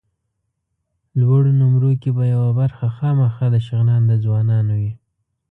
لوړو نومرو کې به یوه برخه خامخا د شغنان د ځوانانو وي.